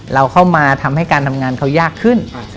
เราเข้ามาทำให้การทำงานเขายากขึ้น